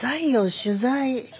取材？